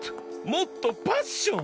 もっとパッション！